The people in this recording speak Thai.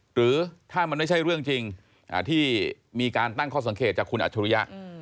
หรือถ้ามันไม่ใช่เรื่องจริงที่มีการตั้งข้อสังเกตจากคุณอัจฉริยะ